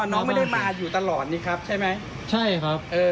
น้องไม่ได้มาอยู่ตลอดนี่ครับใช่ไหมใช่ครับเออ